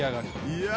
いや！